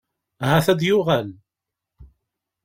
Ahat ad d-yuɣal?